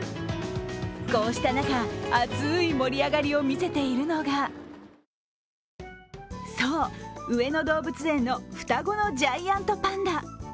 こうした中、熱い盛り上がりを見せているのが、そう、上野動物園の双子のジャイアントパンダ。